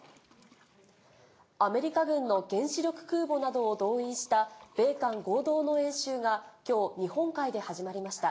アメリカ軍の原子力空母などを動員した米韓合同の演習がきょう、日本海で始まりました。